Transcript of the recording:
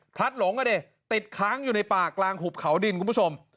หลงอ่ะดิติดค้างอยู่ในป่ากลางหุบเขาดินคุณผู้ชม